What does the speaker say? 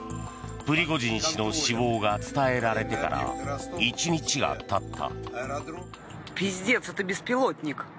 プリゴジン氏の死亡が伝えられてから１日が経った。